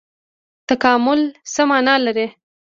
تکامل څه مانا لري؟